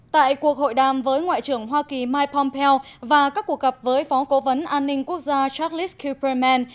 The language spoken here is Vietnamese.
tại cuộc hội đàm với ngoại trưởng hoa kỳ mike pompeo và các cuộc gặp với phó cố vấn an ninh quốc gia charles kuperman